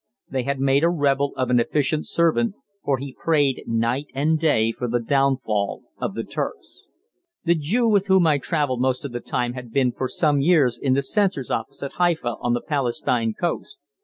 They had made a rebel of an efficient servant, for he prayed night and day for the downfall of the Turks. The Jew with whom I traveled most of the time had been for some years in the censor's office at Haifa on the Palestine coast.